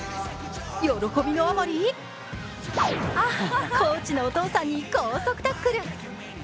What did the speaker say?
喜びのあまりコーチのお父さんに高速タックル。